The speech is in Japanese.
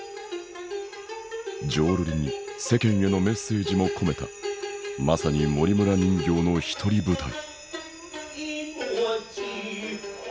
浄瑠璃に世間へのメッセージも込めたまさに森村人形の独り舞台。